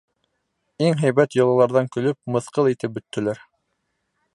Иң һәйбәт йолаларҙан көлөп, мыҫҡыл итеп бөттөләр.